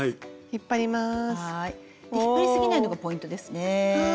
引っ張りすぎないのがポイントですね。